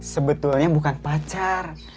sebetulnya bukan pacar